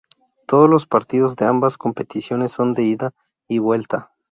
Todos los partidos de ambas competiciones son de ida y vuelta.